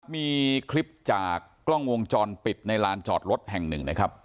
มีคลิปจากกล้องวงจรปิดในลานจอดรถแห่งหนึ่งนะครับ